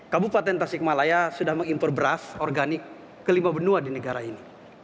kabupaten tasikmalaya sudah mengimpor beras organik kelima benua di negara ini